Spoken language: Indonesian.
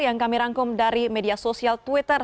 yang kami rangkum dari media sosial twitter